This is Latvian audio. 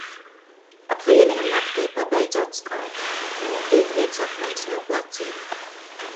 Ap vieniem naktī pabeidzu atskaiti. Nokrīt viens akmens no pleciem.